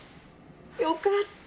よかった！